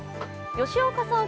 吉岡さん